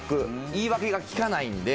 言い訳が利かないんで。